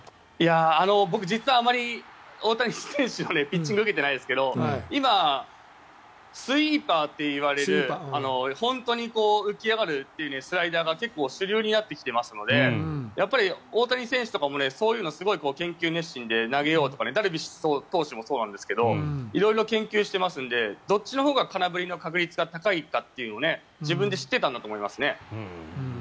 僕、実はあまり大谷選手のピッチングを受けてないんですけど今、スイーパーといわれる本当に浮き上がるスライダーが結構主流になってきていますので大谷選手とかもそういうのを、すごく研究熱心で投げようとかダルビッシュ投手もそうなんですけど色々研究してますのでどっちのほうが空振りの確率が高いかというのを自分で知ってたんだと思いますね。